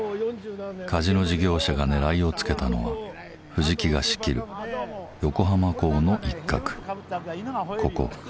カジノ事業者が狙いをつけたのは藤木が仕切る横浜港の一画ここ山下ふ頭。